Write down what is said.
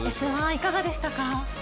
いかがでしたか？